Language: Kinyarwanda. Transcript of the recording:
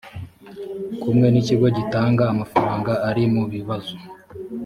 kumwe n’ ikigo gitanga amafaranga ari mu bibazo.